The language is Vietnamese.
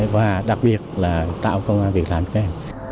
và đặc biệt là tạo công việc làm cho các em